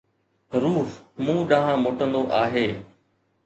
روح مون ڏانهن موٽندو آهي.